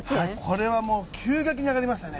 これはもう、急激に上がりましたね。